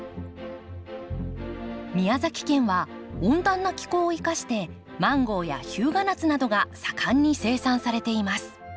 宮崎県は温暖な気候を生かしてマンゴーや日向夏などが盛んに生産されています。